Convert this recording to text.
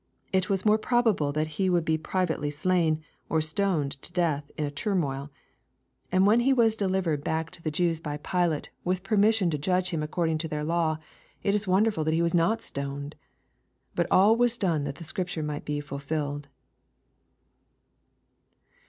It was more probable tbat He would be privately slain, or stoned to death in a tumul\ And when He was delivered back to the LUKE, CHAP. XVIII. 283 Jews by Pilate, with permission to judge Him according to their law, it is wonderful that He was not stoned. But all was done that the Scriptures might be fulfilled."